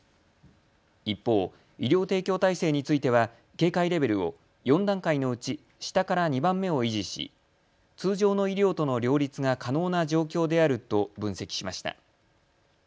一方、医療提供体制については警戒レベルを４段階のうち下から２番目を維持し通常の医療との両立が可能な状況であると分析しました。